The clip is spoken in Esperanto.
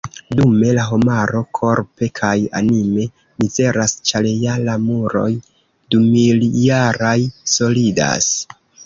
Dume, la homaro korpe kaj anime mizeras ĉar, ja, la muroj dumiljaraj solidas.